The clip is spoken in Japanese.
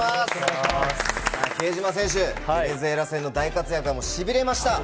比江島選手、ベネズエラ戦の大活躍、しびれました。